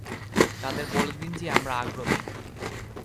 তাদের বলে দিন যে আমরা আগ্রহী।